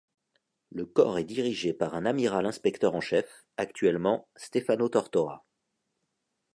Le corps est dirigé par un amiral inspecteur en chef, actuellement Stefano Tortora.